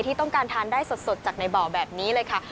ที่ต้องการทานได้สดจากในบ่อแบบนี้เลยค่ะ